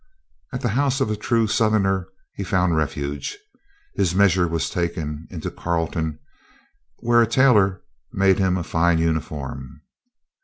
At the house of a true Southerner he found refuge. His measure was taken into Carrolton, where a tailor made him a fine uniform.